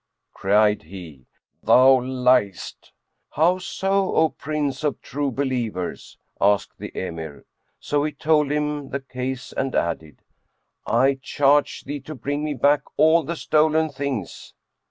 Cried he "Thou liest!" "How so, O Prince of True Believers?" asked the Emir. So he told him the case and added, "I charge thee to bring me back all the stolen things."